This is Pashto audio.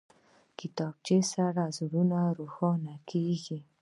کتابچه سره زړونه روښانه کېږي